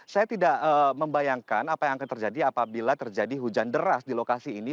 saya tidak membayangkan apa yang akan terjadi apabila terjadi hujan deras di lokasi ini